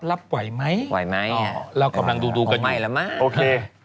รับไหวไหมอ๋อเรากำลังดูกันอยู่โอเค